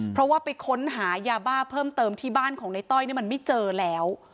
เพราะว่าไปค้นหายาบ้าเพิ่มเติมที่บ้านของในต้อยมันไม่เจอแล้ว